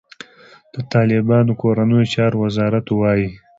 د طالبانو کورنیو چارو وزارت وايي،